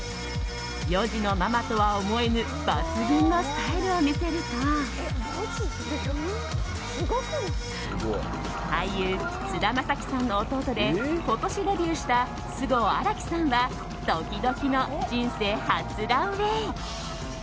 ４児のママとは思えぬ抜群のスタイルを見せると俳優・菅田将暉さんの弟で今年デビューした菅生新樹さんはドキドキの人生初ランウェー。